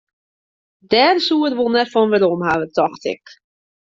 Dêr soe er wol net fan werom hawwe, tocht ik.